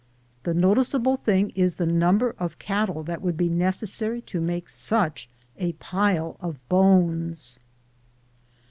The noticeable thing is the number of cattle that would be necessary to make such a pile of bones.